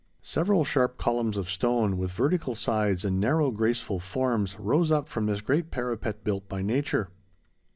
Several sharp columns of stone, with vertical sides, and narrow, graceful forms, rose up from this great parapet built by nature.